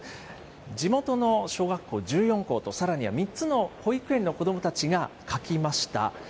地元の小学校１４校と、さらには３つの保育園の子どもたちが描きました。